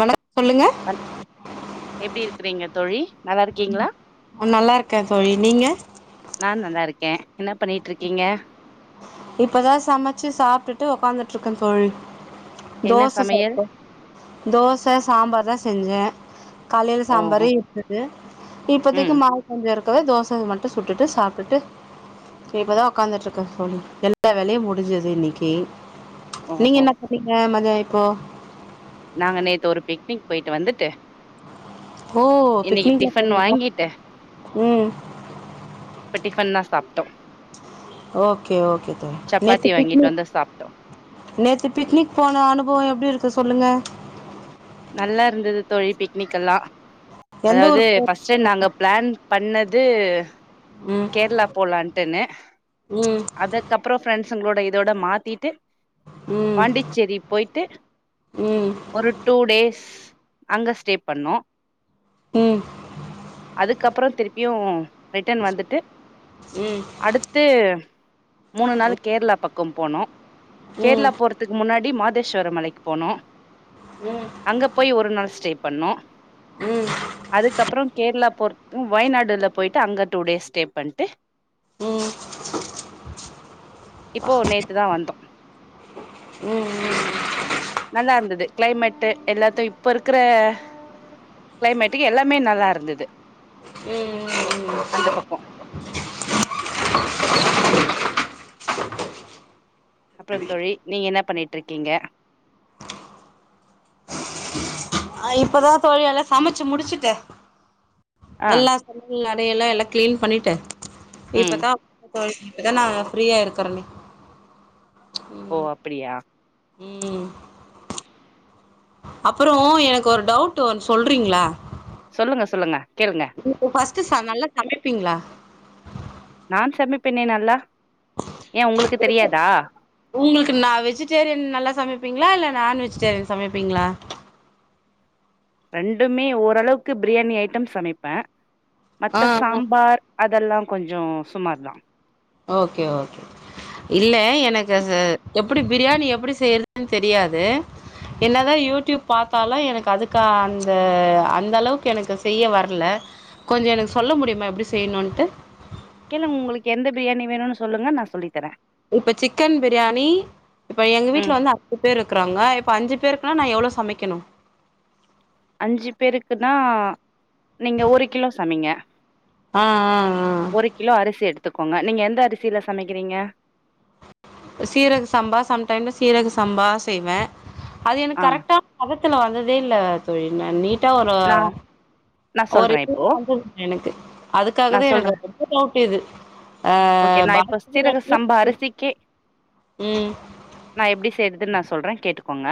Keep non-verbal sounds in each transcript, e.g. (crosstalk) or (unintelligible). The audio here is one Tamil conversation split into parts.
வணக்கம் சொல்லுங்க இருக்கறீங்க தோழி நல்லா இருக்கீங்களா அ நல்லார்க்கே தோழி நீங்க நா நல்லா இருக்கே என்ன பண்ணிட்ருக்கீங்க இப்பதா சமச்சு சாப்ட்டுட்டு உக்காந்துட்ருக்கே தோழி என்ன தோச சமையல் சாப்டோ தோச சாம்பார் தா செஞ்சேன் காலைல ஓஹோ சாம்பாரு இருக்குது இப்போதிக்கு ம் மாவு கொஞ்சோ இருக்கு இப்பவே தோசய மட்டு சுட்டுட்டு சாப்ட்டுட்டு இப்பதா உட்காந்துட்ருக் க தோழி எல்லா வேலயு முடிஞ்சது இன்னிக்கி நீங்க ஓஹோ என்ன பண்ணீங்க மதியான ஓ நாங்க நேத்து ஒரு பிக்னிக் போயிட்டு வந்துட்டு ஓ இன்னக்கி பிக்னிக்லா டிஃபன் போனீங்களா வாங்கிட்டு ம் இப்ப டிஃபன் தா சாப்ட்டோ ஓகே ஓகே தோழி சப்பாத்தி நேத்து வாங்கிட்டு பிக்னிக் வந்து சாப்ட்டோ நேத்து பிக்னிக் போன அனுபவம் எப்டி இரு ச்சி சொல்லுங்க நல்லா இருந்தது தோழி பிக்னிக் எல்லா எந்த அதாவது ஊருக்கு ஃபர்ஸ்ட் டைம் போனீங்க நாங்க ப்ளான் பண்ணது ம் கேர்ளா போலான்ட்டுன்னு ம் அதுக்கப்றோ ஃப்ரெண்ட் பசங்ளோட இதோட மாத்திட்டு ம் ம் பாண்டிச்சேரி போயிட்டு ம் ஒரு டூ டேஸ் அங்க ஸ்டே பண்ணோ ம் ம் கப்றோ திருப் பியு ரிட்டன் வந்துட் அடுத்து மூணு நாள் கேர்ளா பக்கம் போனோ ம் கேர்ளா போறதுக்கு முன்னாடி மாத் தேஸ்வர மலைக்கு போனோ அங்க போய் ஒரு நாள் ஸ்டேப் பண்ணோ ம் அதுக்கப்ரோ கேர்ளா போர் வயநாடுல்ல போயிட்டு அங்க டூ டேஸ் ஸ்டே பண்டு ம் இப்போ நேத்துதா வந்தோ நல்லா இருந்துது கிளைமேட்டு் எல்லாத்த இப்ப இருக்கிற கிளைமேட்டுக்கு எல்லாமே நல்லா இருந்தது அந்த பக் அப்ற தோழி நீங்க என்ன பண்ணிட்டு இருக்கீங்க நா இப்பதா தொழி எல சமைச்சு முடிச்சுட்டு ஆ எல்லா (unintelligible) எல்லா எல்லா கிளீன் பண்ணிட்டு ம் இப்பதா தோ இப்ப நா ஃப்ரீயா இருக்கறனே ஓ அப்டியா ம் அப்பறோ எனக்கு ஒரு டவுட் ஒன் சொல்றீங்களா சொல்லுங்க சொல்லுங்க கேளுங்க (unintelligible) ஸ்ட் நல்லா சமைப்பிங்களா நா செமிப்பேனே நல்லா ஏ உங்களுக்கு தெரியாதா உங்களுக்கு நா வெஜிடேரியன் நல்லா சமைப்பீங்களா இல்ல நான்வெஜிடேரியன் சமைப்பீங்களா ரெண்டுமே ஓரளவுக்கு பிரியாணி ஐட்டம் சமைப்பே ஆ மத்த ஆ சாம்பார் அதெல்லாம் கொஞ்ச சுமார்தா ஓகே ஓகே இல்ல எனக்கு எப்டி பிரியாணி எப்டி செய்யறதுன்னு தெரியாது என்னதா யூடியூப் பாத்தாலு எனக்கு அதுக்கு அந்த அந்த அளவுக்கு எனக்கு செய்ய வரல கொஞ்ச எனக்கு சொல்ல முடியுமா எபடி செய்யணும்ட்டு கேளுங் உங்களுக்கு எந்த பிரியாணி வேணும்ன்னு சொல்லுங்க நா சொல்லித்தரே இப்ப சிக்கன் பிரியாணி இப்ப எங்க ம் வீட்டு்ல வந்து ஐந்து பேர் இருக்கறாங்க ப்ப அஞ்சு பேருக்குனா நா எவ்ளோ சமைக்கணு அஞ்சு பேருக்குன்னா நீங்க ஒரு கிலோ சமைங்க ஆ ஆ ஆ த்துக்கோங்க நீங்க எந்த அரிசியில சமைக்கிறீங்க சீரக சம்பா சம்டைம்ல சீரக சம்பா செய்வே அது ஆ எனக்கு கரெட்கா அத துல வந்ததே இல்ல தொழி ந நீட் ஒரு நா நா ஒரு சொல்றே இப்போ (inaudible) எனக்கு நா அதுக்காகாவே சொல்றே எனக்கு இது ஆ ஓகே நா இப்ப பாஸ்மதி சீரக ரைஸ்ல சம்பா அரிசிக்கு ம் நா எப்டி செய்றது நா சொல்றே கேட்டுக்கோங்க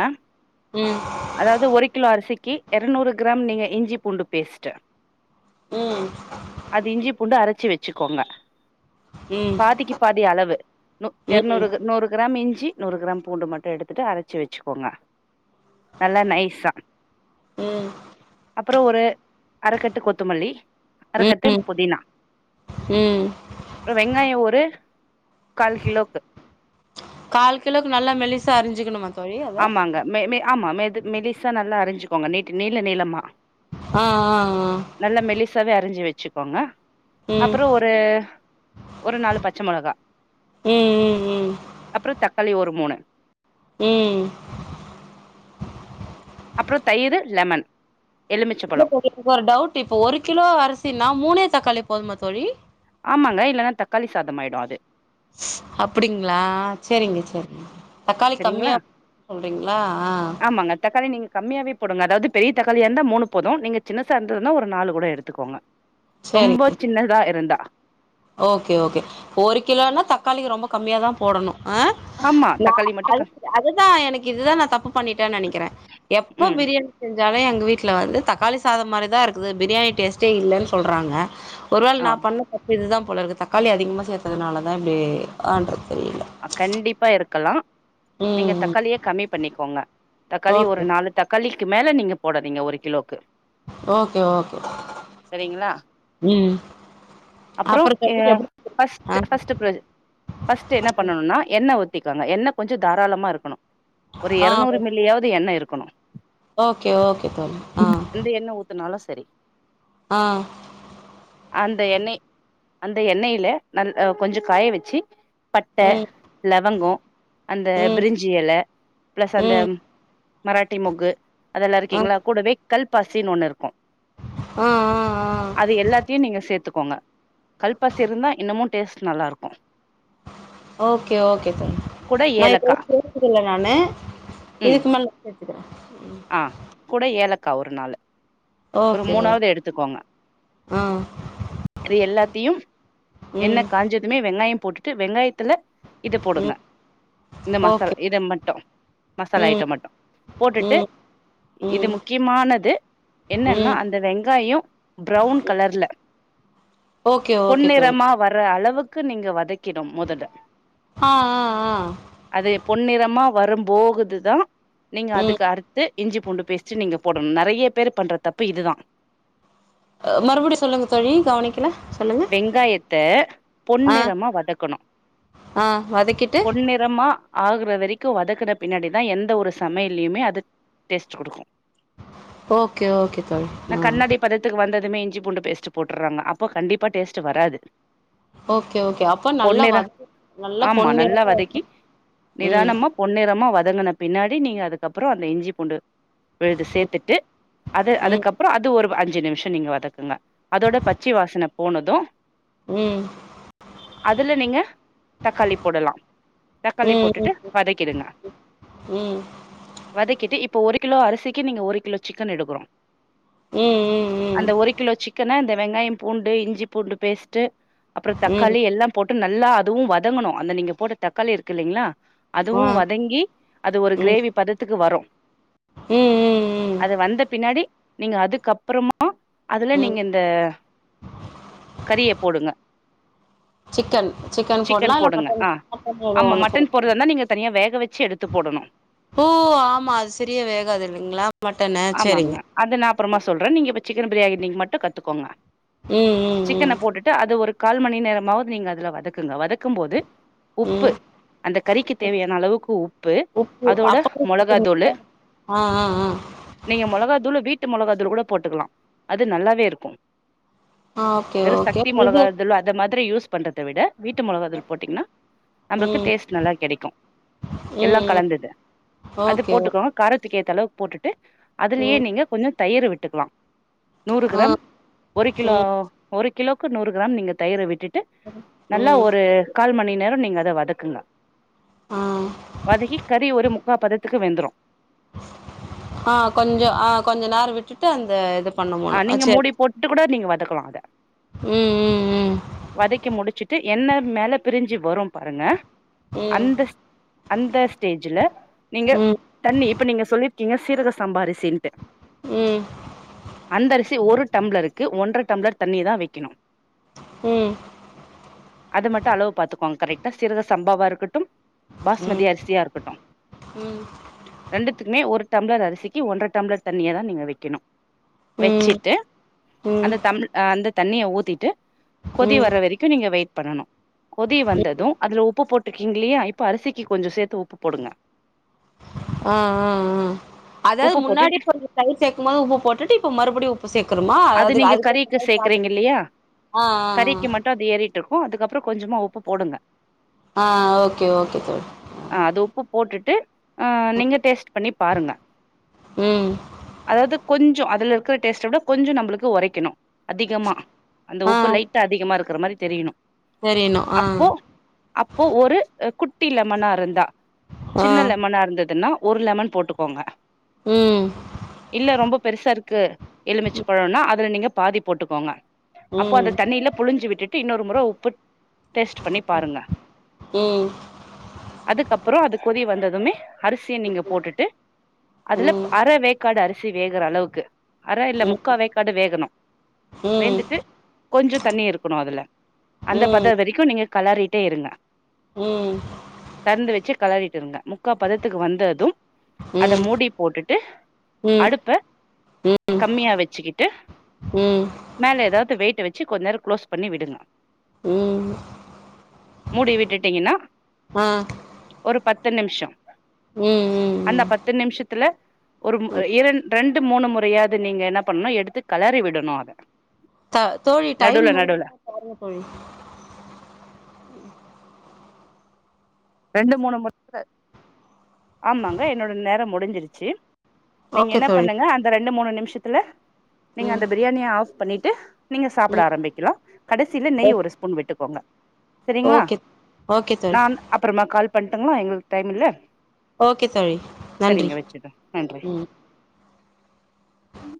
ம் அதாவது ஒரு கிலோ அரிசிக்கு எரநூறு கிராம் நீங்கள் இஞ்சி பூண்டு பேஸ்ட்டு ம் அது இஞ்சி பூண்டு அர ஞ்சு வச்சுக்கோங்க ம் பாதிக்கு பாதி அளவு இருநூறு கிர நூறு கிராம் இஞ்ச் ஞ்சி நூறு கிராம் பூண்டு மட்டும் எடுத்துட்டு அரைச்சு வச்சுக்கோங்க நல்லா நைஸா ம் அப்றம் ஒரு அறக்கட்டு கொத்தமல்லி ம் அறக்கட்டு ம் புதினா ம் அப்றம் வெங்காய ஒரு கால் கிலோக்கு கால் கிலோ நல்லா மெலிஸ் அரிஞ்சிக்கணம ஆமாங்க மேபி ஆமா மே து மெலிசா நல்லா அரைஞ்சுக்கோங்க நீட்டு நீள நீளமா ஆ நல்லா ஆ மெலிசாவே அரிஞ்சு ஆ வச்சுக்கோங்க ம் அப்ற ஒரு ஒரு நாலு பச்ச மிளகா ம் ம் ம் அப்ற தக்காளி ஒரு மூணு ம் அப்ற தயிரு லெமன் எலுமிச்ச இல்ல பழோ எனக்கு ஒரு டவுட் இப்ப ஒரு கிலோ அரிசின்னா மூணே தக்காளி போதுமத்தோழி ஆமாங்க இல்லனா தக்காளி சாதமாயிடும் அது அப்டிங்களா சரிங்க சர் தக்காளி சரிங்களா கம்மியா ப் சொல்றீங்களா ஆமாங்க தக்காளி நீங்க கம்மியாவே போடுங்க அதாவது பெரிய தக்காளிய இருந்தா மூணு போது நீங்க சின்ன சார்ந்ததுனா ஒரு நாலு கூட எடுத்துக்கோங்க சேரி ரொம்ப சின்னதா இருந்தா ஓகே ஓகே ஒரு கிலோனா தக்காளிக்கு ரொம்ப கம்மியாதான் போடணு ஆ ஆமா நா தக்காளி மட்டு அ க அதுதா எனக்கு இதுதா நா தப்பு பண்ணிட்டேனு நினைக்கிறே எப்ப ம் பிரியாணி செஞ்சாலு எங் வீட்ல வந்து தக்காளி சாதம் மாரிதான் இருக்குது பிரியாணி டேஸ்ட்டே இல்லனு சொல்றாங்க ஒரு வேள ஆ நா பண்ண இதுதா போலருக்கு தக்காளி அதிகமா சேர்த்ததுனால தா இப்டி ஆன்று தெரியு கண்டிப்பா இருக்கலா நீங்க ம் ம் தக்காளியே கம்மி பண்ணிக்கோங்க தக்காளி ஓகே ஒரு நாலு தக்கா ள்ளிக்கு மேல நீங்க போடறீங்க ஒரு கிலோக்கு ஓகே ஓகே சரிங்களா ம் அப்புறோ அப்ற எ (unintelligible) ஃபஸ்ட் எஹ் ஃபஸ்ட் ப்ர ஃபஸ்ட் என்ன பண்ணணுனா என்ன ஒத்து இருக்காங்க என்ன கொஞ்ச தாராளமா இருக்கணு ஒரு இருநூறு ஆ மில்லியாவது எண்ணெ இருக் இருக்கணு ஓகே ஓகே தோழி ஆ எந்த எண்ணெ ஊத்துனாலு சரி ஆ அந்த எண்ணெய் அந்த எண்ணெயில நல் அ கொஞ்ச காய வச்சி பட்ட ம் லவங்கோ அந்த ம் பிரிஞ்சி இல பிளஸ் அந்த ம் மராட்டி மொகு அதெல்லா ஆ இருக்கீங்களா கூடவே கல் பாசின்னு ஒண்ணு இருக்கு ஆ ஆ ஆ அது எல்லாத்தையு நீங்க சேர்த்துக் கோங்க கல்பாசி இருந்தா இன்னமு டேஸ்ட் நல்லா இருக்கு ஓகே ஓகே தோழி கூட நான்ப்ப ஏலக்கா பேசதுல நானு ம் இதுக்கு மேல க்கிறே ஆ கூட ஏலக்கா ஒரு நாளு ஒரு ஓகே ஓ மூணாவது எடுத்துக்கோங்க ஆ அது எல்லாத்தையு எண்ண ம் காஞ்சதுமே வெங்காயம் போட்டுட்டு வெங்காயத்துல இத போடுங்க ம் இந்த மசாலா ஓகே இத மட்டு மசாலா ம் ஐட்டோ மட்டு போட்டுட்டு ம் இது ம் முக்கியமானது என்னன்னா ம் அந்த வெங்காயோ ப்ரௌன் கலர்ல ஓகே ஓகே தோழி பொன்னிறமா வர அளவுக் க்கு நீங்க வதக் கிடும் முதல்ல ஆ ஆ ஆ அது பொன்னிறமா வரும் போகுதுதா நீங்க ம் அதுக்கு அர் இஞ்சி பூண்டு பேஸ்ட் நீங்க போடணு நெறைய பேர் பண்ற தப்பு இதுதா அ மறுபடி சொல்லுங்க தோழி கவனிக்கல சொல்லுங்க வெங்காயத்த ஆ பொன்னிறமா வதக்கணு ஆ வதக்கிட்டு பொன்னிறமா ஆகுற வரைக்கு வதக்குன பின்னாடிதா எந்த ஒரு சமையலையுமே அது டேஸ்ட் குடுக்கு ஓகே ஓகே தோழி ஆ துமே இஞ்சிபூண்டு பேஸ்ட் போட்டுறாங்க அப்ப கண்டிப்பா டேஸ்ட் வராது ஓகே ஓகே அப்ப நல்லா பொன்னிற வத (inaudible) நல்ல ஆமா நல்லா பொன்னிறமா வதக்கி ம் தங்குன பின்னாடி நீங்க அதுக்கப்புறோ அந்த இஞ்சி பூண்டு விழுது சேர்த்துட்டு அது ம் அதுக்கப்ற அது ஒரு அஞ்சு நிமிஷ நீங்க வதக்குங்க அதோட பச்சி வாசனை போனது ம் அதுல நீங்க தக்காளி போடலா தக்காளி ம் போட்டுட்டு ம் வதக்கிடுங்க ம் வதக்கிட்டு இப் ப்போ ஒரு கிலோ அரிசிக்கு நீங்க ஒரு கிலோ சிக்கன் எடுக்கிறோ ம் ம் ம் அந்த ஒரு கிலோ சிக்கன இந்தப் வெங்காயம் பூண்டு இஞ்சி பூண்டு பேஸ்ட்டு அப்ற ம் தக்காளி எல்லா போட் டு நல்லா அதுவும் வதங்கணு அந்த நீங்க போட்ட தக்காளி இருக்கு இல்லலைங்களா ஆ அதுவும் வதங்கி அது ஒரு ம் கிரேவி பதத்துக்கு வரு ம் ம் ம் அது வந்த பின்னாடி நீங்க அதுக்கப்பறம ம அதுல ம் நீங்க இந்த கறிய போடுங்க சிக்கன் சிக்கன் போடலா இல்ல போடுங்க மட்டன் ஆ மட்ட ஆமா ஒண்ணு போ மட்டன் போடுறதா இருந்தா நீங்க தனியா வேக வச்சு எடுத்து போடணு ஓ ஆமா திரிய வேகாது இல்லங்ளா மட்டனு சேரிங்க சிக்கனு பிரியாணி இன்னிக் மட்டு கத்துக்கோங்க ம் ம் ம் கால் மணி நேரமாது நீங்க அதுல வதக்குங்க வதக்கும் போது உப்பு ம் அந்த கறிக்கு தேவையான அளவுக்கு உப்பு உப்பு அதோட அப்பவே மொளகா தூலு சேத்துருவீங்களா ஆ ஆ ஆ நீங்க மொளகா தூள பி வீட்டு மொளகா தூள் கூட போட்டுக்கலா அது நல்லாவே இருக்கு ஆ ஓகே வெறு ஓகே சக்தி இது மொளகாதூள் அது மாதிரி யூஸ் பண்றத விட வீட்டு மொளகாதல் போட்டீங்கன்னா நம்மக்கு ம் ம் டேஸ்ட் நல்லா கிடைக்கும் எல்லாம் ம் கலந்தது அது ஓகே ஓ போட்டுக்கொ த்துக்கேத்த அளவு போட்டுட்டு அதுலயே ம் நீங்க கொஞ்ச தயிறு விட்டுக்கலா நூறு ஆ கிராம் ஒரு கிலோ ம் ஒரு கிலோக்கு நூறு கிராம் நீங்க தயிறை விட்டு டு நல்லா ம் ஒரு கால் மணி நேர நீங்க அத வதக்குங்க ஆ வதக்கி கறி ஒரு முக்கா பதத் த்துக்கு வெந்துரு ஆ கொஞ்ச ஆ கொஞ்ச நேர விட்டுட்டு அந்த இத ஆ நீங்க மூடி போட்டுட்டு கூட நீங்க வதக்கலா அத ம் ம் ம் வதக்கி முடிச்சுட்டு என்ன மேல பிரிஞ்சி வரும் பாருங்க ம் அந்த அந்த ஸ்டேஜ்ல நீங்க ம் தண்ணி இப்ப நீங்க சொல்லி இங்க சீரக சம்பா அரி ம் அந்த அரிசி ஒரு டம்பளருக்கு ஒன்ற டம்பளர் தண்ணியதா வைக்கனும் ம் அது மட்டும் அளவு பாத்துக்கோங்க கரெட்டா சீரக சம்பாவா இருக்கட்டும் பாஸ்மதி அரிசியா இருக்கட்டும் ரெண்டுத்துக்குமே ஒரு டம்பளர் அரிசிக்கு ஒன்ற டம்பளர் தண்ணியதா நீங்க வைக்கணு ம் ம் வைச்சிட்டு ம் அந்த தம் அந்த தண்ணிய ஊத்திட்டு கொதி ம் வர வரைக்கும் நீங்க வைட் பண்ணனும் கொதி வந்ததும் அதுல உப்பு போட்டுருக்கீங்கலையா இப்ப அரிசிக்கு கொஞ்சம் சேத்து உப்பு போடுங்க அ அ அ அதாது உப்பு முன்னாடி போட்டு கொஞ்ச தயிர் சேக்குமோது உப்பு போட்டு இப் மறுபடி உப் அது நீங்க கறிக்கு சேக்கறீங்க இல்லையா ஆ ஆ கறிக்கு மட்டும் அது ஏறிட்டு இருக் கும் அதுக்ப்புற கொஞ்சமா உப்பு போடுங்க ஆ ஓகே ஓகே தோழி த்து அ நீங்க டேஸ்ட் பண்ணி பாருங்க ம் அதாவது கொஞ் ஞ்ச அதுல இருக்கற டேஸ்ட்டா விட கொஞ்சம் நம்பளுக்கு உரைக்கணும் அதிகமா அந்த ஆ உப்பு லைட்டா அதிகமா இருக் க்குற மாரி தெரியணும் தெரியணு ஆ அப்போ அப்போ ஒரு குட் ட்டி லெமனா இருந்தா ஆ சின்ன லெமனா இருந்ததுனா ஒரு லெமன் போட்டுக்கோங்க ம் இல்ல ரொம்ப பெருசா இருக்கு ம் எலுமிச்சபழன அத் அதுல நீங்க பாதி போட்டுக்கோங்க அப்போ அந்த ம் தண்ணியில புழிஞ்சி விட்டு இன்னொரு மொரா உப்புட் டேஸ்ட் பண்ணி பாருங்க ம் அதுக்கப்பறோ அதுக் கொதி வந்ததுமே அரிசிய நீங்க போட்டுட்டு அதுல ம் அர வேக்காடு அர் சி வேகிற அளவுக்கு அர இல்ல ம் ம் முக்காவேக்காடு வேகணு ம் வேந்திட்டு கொஞ்ச தண்ணி இருக்கணு அதுல அந்த பதவரக்கும் நீங்க கலறிட்டே இருங்க ம் தெறந்து வச்சு கலறிட்டு இருங்க முக்கா பதத்துக்கு வந்ததும் அத ம் மூடி போட்டுட்டு ம் அடுப்ப கம்மியா வச்சுகிட்டு ம் மேல ஏதாது வெயிட்டு வச்சு கொஞ்ச நேர க்ளோஸ் பண்ணி விடுங்க ம் மூடி விட்டுட்டீங்கன்னா ஆ எத்தன நிமிஷம் ம் ம் அந்த ம் பத்து நிமிஷதுல ஒரு ம் இரண் ரெண்டு மூணு முறையாது நீங்க என்ன பண்ணணு எடுத்து கலறி விடணு அத த தோழி டைம் நடுவுல முடி நடுவுல (inaudible) தோழி ரெண்டு மூணு (inaudible) ஆமாங்க என்னோட நேரம் முடிஞ்சிருச்சு நீங்க ஓகே என்ன தோழி பண்ணுக அந்த ரெண்டு மூணு நி நிமிஷதுல நீங்க ம் அந்த பிரியாணிய ஆப் பண்ணிட்டு நீங்க சாப்பிட ம் ஆரம்பிகலா கடைசில ஓ நெய் ஒரு ஸ்பூன் விட்டுகோங்க ஓகே ஓகே தோழி நான் அப்புறமா கால் பண்டுங்களா எங்களு டைம்ல ஓகே தோழி நன்றி ம் ம்